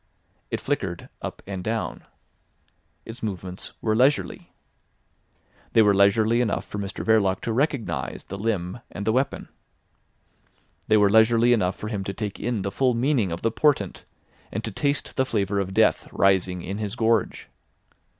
It flickered up and down. Its movements were leisurely. They were leisurely enough for Mr Verloc to recognise the limb and the weapon. They were leisurely enough for him to take in the full meaning of the portent, and to taste the flavour of death rising in his gorge.